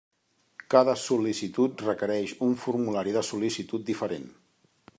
Cada sol·licitud requereix un formulari de sol·licitud diferent.